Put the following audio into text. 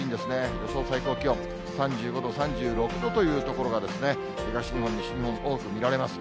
予想最高気温、３５度、３６度という所が東日本、西日本に多く見られます。